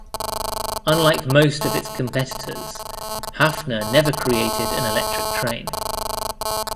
Unlike most of its competitors, Hafner never created an electric train.